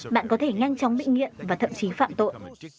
bạn có thể nhanh chóng bị nghiện và thậm chí phạm tội